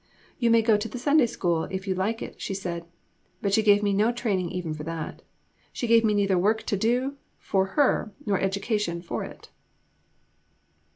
You may go to the Sunday School, if you like it, she said. But she gave me no training even for that. She gave me neither work to do for her, nor education for it."